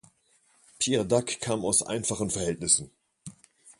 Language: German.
Pierre Dac kam aus einfachen Verhältnissen.